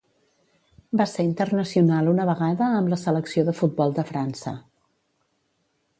Va ser internacional una vegada amb la selecció de futbol de França.